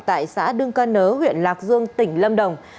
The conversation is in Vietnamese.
tại xã đương cơ nớ huyện lạc dương tỉnh lâm đồng